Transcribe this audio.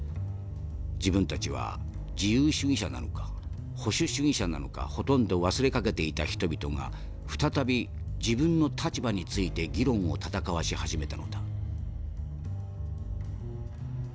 自分たちは自由主義者なのか保守主義者なのかほとんど忘れかけていた人々が再び自分の立場について議論を闘わし始めたのだ」。